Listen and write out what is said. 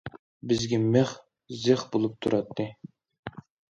بىزگە مىخ- زىخ بولۇپ تۇراتتى.